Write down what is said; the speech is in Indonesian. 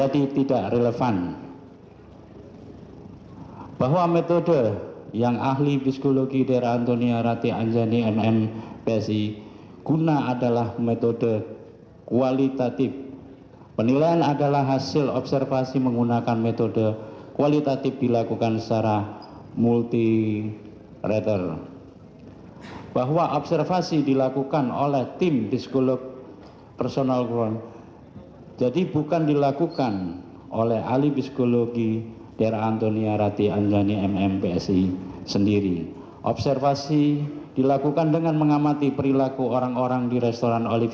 di dalam cairan lambung korban yang disebabkan oleh bahan yang korosif